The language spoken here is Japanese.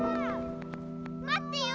まってよ！